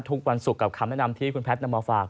ทุกวันศุกร์กับคำแนะนำที่คุณแพทย์นำมาฝาก